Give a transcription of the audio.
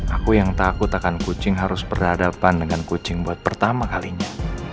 aku yang takut akan kucing harus berhadapan dengan kucing buat pertama kalinya